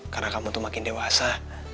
karena kamu tuh makin dewasa